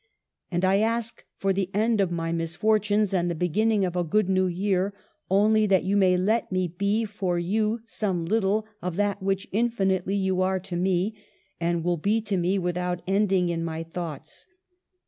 And I ask for the end of my misfortunes and the beginning of a good new year, only that you may let me be for you some Kttle of that which infinitely you are to me, and will be to me, without ending, in my thoughts.